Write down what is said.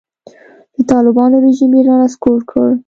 د طالبانو رژیم یې رانسکور کړ.